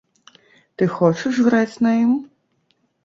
Ты хочаш граць на ім?